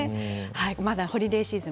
ホリデーシーズン